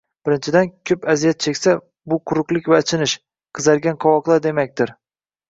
Birinchidan, ko‘z aziyat cheksa, bu quruqlik va achishish, qizargan qovoqlar demakdir, b